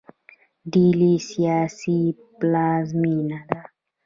ډیلي سیاسي پلازمینه ده.